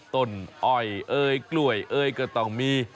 ต้นอ้อยเอ่ยกล้วยเอ้ยก็ต้องมี